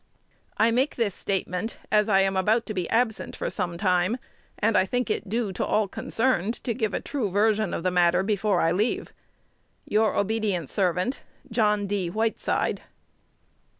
I make this statement, as I am about to be absent for some time, and I think it due to all concerned to give a true version of the matter before I leave. Your obedient servant, John D. Whiteside.